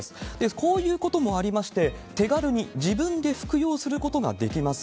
こういうこともありまして、手軽に自分で服用することができます